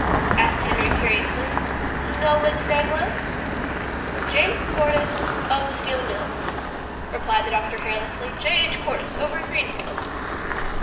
asked Henry curiously. "Know what his name was?" "James Cordyce, of the Steel Mills," replied the doctor carelessly. "J. H. Cordyce over in Greenfield."